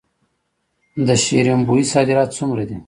د شیرین بویې صادرات څومره دي؟